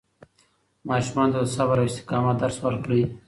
ماشومانو ته د صبر او استقامت درس ورکړئ.